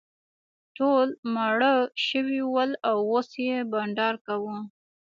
ټول ماړه شوي ول او اوس یې بانډار کاوه.